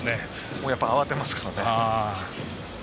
やっぱり慌てますからね。